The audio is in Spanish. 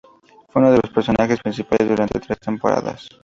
Fue uno de los personajes principales durante tres temporadas.